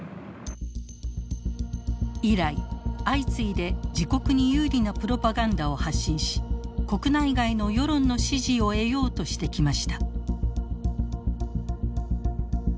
以来相次いで自国に有利なプロパガンダを発信し国内外の世論の支持を得ようとしてきました。